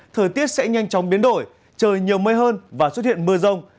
thời tiết sẽ nhanh chóng biến đổi trời nhiều mây hơn và xuất hiện mưa rông